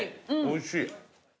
おいしい。